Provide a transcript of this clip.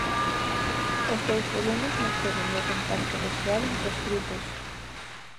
Os dous volumes naceron do contacto persoal entre os grupos.